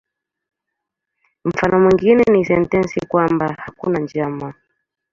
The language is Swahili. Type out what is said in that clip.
Mfano mwingine ni sentensi kwamba "hakuna njama".